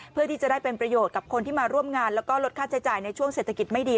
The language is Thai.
เพื่อที่จะได้เป็นประโยชน์กับคนที่มาร่วมงานแล้วก็ลดค่าใช้จ่ายในช่วงเศรษฐกิจไม่ดี